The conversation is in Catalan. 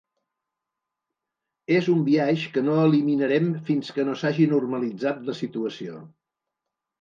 És un biaix que no eliminarem fins que no s’hagi normalitzat la situació.